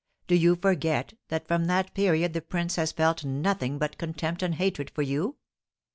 Do you forget that from that period the prince has felt nothing but contempt and hatred for you?"